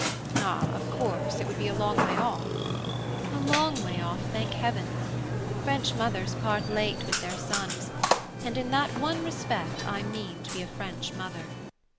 "Ah, of course it would be a long way off?" "A long way off, thank heaven! French mothers part late with their sons, and in that one respect I mean to be a French mother."